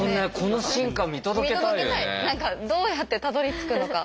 何かどうやってたどりつくのか。